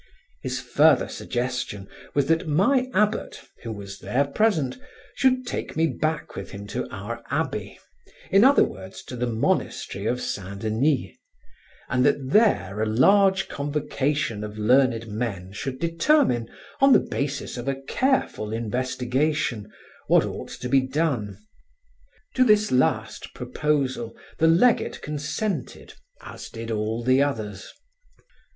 His further suggestion was that my abbot, who was there present, should take me back with him to our abbey, in other words to the monastery of St. Denis, and that there a large convocation of learned men should determine, on the basis of a careful investigation, what ought to be done. To this last proposal the legate consented, as did all the others.